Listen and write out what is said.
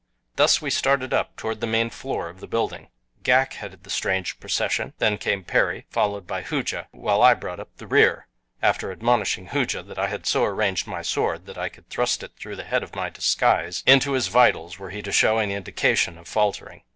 Thus we started up toward the main floor of the building. Ghak headed the strange procession, then came Perry, followed by Hooja, while I brought up the rear, after admonishing Hooja that I had so arranged my sword that I could thrust it through the head of my disguise into his vitals were he to show any indication of faltering.